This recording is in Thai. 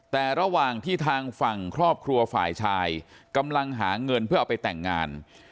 แต่ระหว่างที่ทางฝั่งครอบครัวฝ่ายชายกำลังหาเงินเพื่อเอาไปแต่งงาน